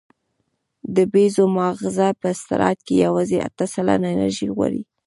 د بیزو ماغزه په استراحت کې یواځې اته سلنه انرژي غواړي.